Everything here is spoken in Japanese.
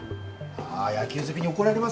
あ野球好きに怒られますよ。